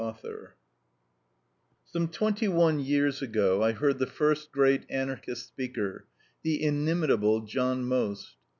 PREFACE Some twenty one years ago I heard the first great Anarchist speaker the inimitable John Most.